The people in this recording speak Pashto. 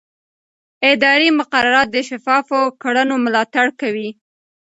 اداري مقررات د شفافو کړنو ملاتړ کوي.